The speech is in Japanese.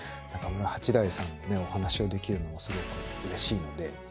中村八大さんのねお話をできるのはすごくうれしいので。